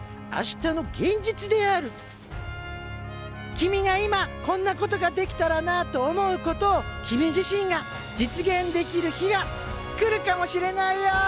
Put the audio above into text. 君が今こんなことができたらなと思うことを君自身が実現できる日が来るかもしれないよ。